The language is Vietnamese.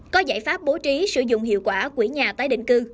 có giải pháp bố trí sử dụng hiệu quả quỹ nhà tái định cư